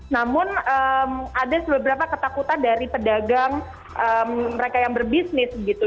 namun ada beberapa ketakutan dari pedagang mereka yang berbisnis gitu